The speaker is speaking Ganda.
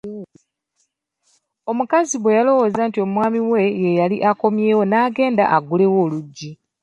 Omukazi bwe yalowooza nti omwami we yeyali akomyewo n'agenda aggulewo oluggi.